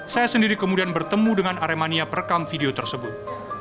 saya sendiri kemudian bertemu dengan aremania perekam video tersebut